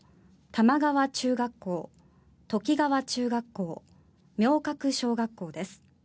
玉川中学校都幾川中学校、明覚小学校です。